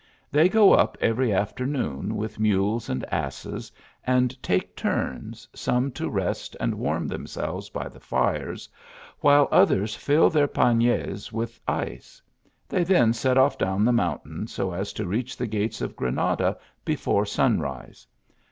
They go up every afternoon with mules and asses, and take turns, some to rest and warm themselves by the fires, while others fill their panniers with ice. They then set off down the mountain, so as to reach the gates of Granada before sunrise.